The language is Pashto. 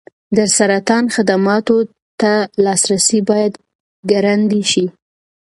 د سرطان خدماتو ته لاسرسی باید ګړندی شي.